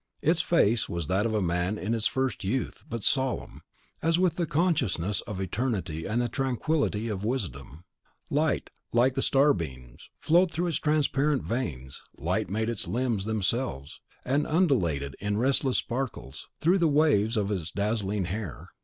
Its face was that of a man in its first youth, but solemn, as with the consciousness of eternity and the tranquillity of wisdom; light, like starbeams, flowed through its transparent veins; light made its limbs themselves, and undulated, in restless sparkles, through the waves of its dazzling hair.